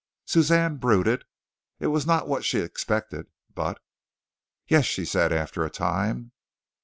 Suzanne brooded. It was not what she expected but "Yes," she said, after a time.